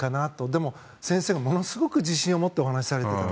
でも、先生がものすごく自信を持ってお話をされていた。